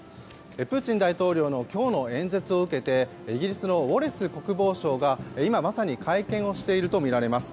プーチン大統領の今日の演説を受けてイギリスのウォレス国防相が今まさに会見をしているとみられます。